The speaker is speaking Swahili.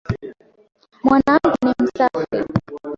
Mwanamke ni msafi